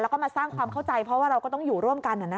แล้วก็มาสร้างความเข้าใจเพราะว่าเราก็ต้องอยู่ร่วมกัน